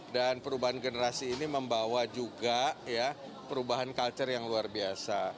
dan perubahan generasi ini membawa juga perubahan culture yang luar biasa